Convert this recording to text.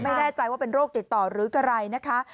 ไม่แน่ใจว่าเป็นโรคติดต่อหรืออะไรนะคะ